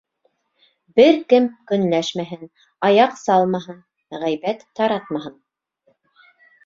Бер кем көнләшмәһен, аяҡ салмаһын, ғәйбәт таратмаһын!